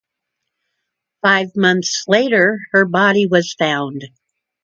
Five months later her body was found.